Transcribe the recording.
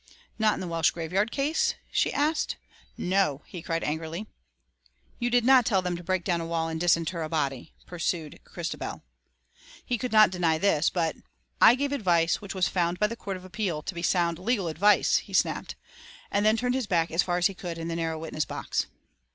"Not in the Welsh graveyard case?" she asked. "No!" he cried angrily. "You did not tell them to break down a wall and disinter a body?" pursued Christabel. He could not deny this but, "I gave advice which was found by the Court of Appeal to be sound legal advice," he snapped, and turned his back as far as he could in the narrow witness box.